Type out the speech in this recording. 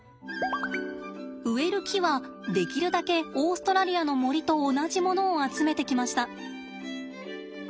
植える木はできるだけオーストラリアの森と同じものを集めてきました。